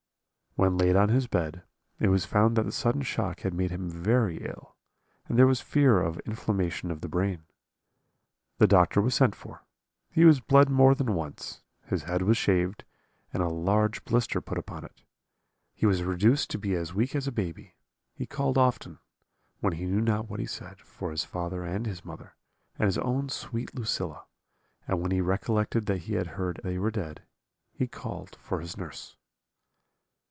"When laid on his bed, it was found that the sudden shock had made him very ill, and there was fear of inflammation of the brain. The doctor was sent for, he was bled more than once, his head was shaved, and a large blister put upon it. He was reduced to be as weak as a baby: he called often, when he knew not what he said, for his father and his mother, and his own sweet Lucilla; and when he recollected that he had heard they were dead, he called for his nurse.